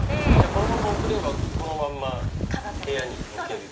このまま送ればこのまんま部屋に置ける。